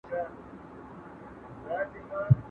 د ګلونو خجالت یې په ماښآم سي